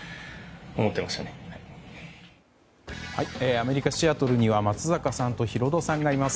アメリカ・シアトルには松坂さんとヒロドさんがいます。